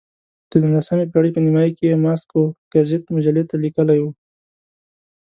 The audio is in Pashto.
د نولسمې پېړۍ په نیمایي کې یې ماسکو ګزیت مجلې ته لیکلي وو.